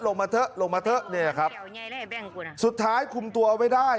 ลงมาเถอะลงมาเถอะนี่แหละครับสุดท้ายคุมตัวเอาไว้ได้